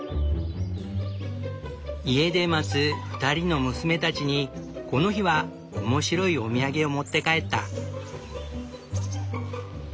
家で待つ２人の娘たちにこの日は面白いお土産を持って帰った。